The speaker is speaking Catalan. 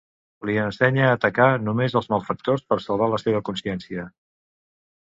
Li ensenya a atacar només els malfactors per salva la seva consciència.